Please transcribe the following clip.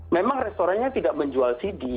memang restorannya tidak menjual cd